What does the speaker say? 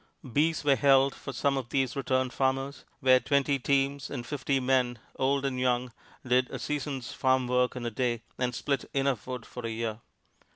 Bees were held for some of these returned farmers, where twenty teams and fifty men, old and young, did a season's farm work in a day, and split enough wood for a year.